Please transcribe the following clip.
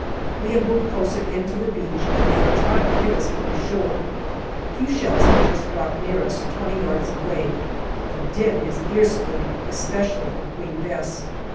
We have moved closer in to the beach and they are trying to hit us from the shore. Two shells have just dropped near us, twenty yards away ; the din is ear splitting, especially from Queen Bess.